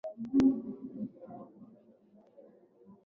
alikuwa amekauka na akaanza kufanya utabiri